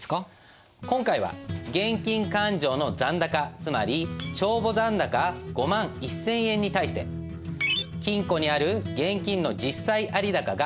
今回は現金勘定の残高つまり帳簿残高５万１，０００円に対して金庫にある現金の実際有高が５万円です。